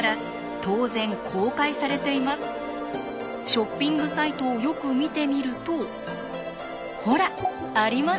ショッピングサイトをよく見てみるとほらありました！